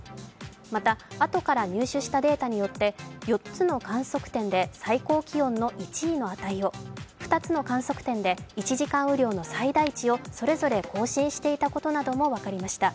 また、あとから入手したデータによって４つの観測点で最高気温の１位の値を２つの観測点で１時間雨量の最大値をそれぞれ更新していたことなども分かりました。